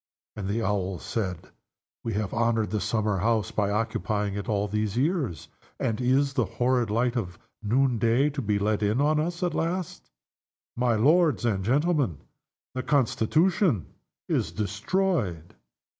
And the Owls said, "Have we honored the summer house by occupying it all these years and is the horrid light of noonday to be let in on us at last? My lords and gentlemen, the Constitution is destroyed!"